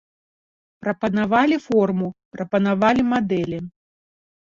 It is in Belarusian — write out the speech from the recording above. Прапанавалі форму, прапанавалі мадэлі.